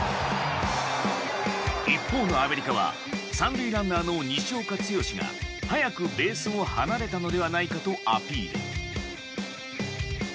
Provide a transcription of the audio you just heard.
一方のアメリカは３塁ランナーの西岡剛が早く、ベースを離れたのではないかとアピール。